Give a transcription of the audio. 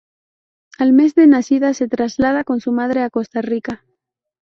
Al mes de nacida se traslada con su madre a Costa Rica.